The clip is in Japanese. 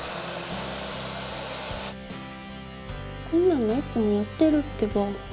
こんなのいつもやってるってば。